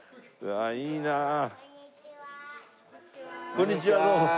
こんにちはどうも。